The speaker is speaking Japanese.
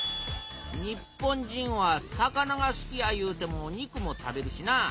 日本人は魚が好きやいうても肉も食べるしなあ。